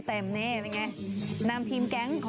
สวัสดีครับ